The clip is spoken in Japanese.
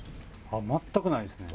全くないですね。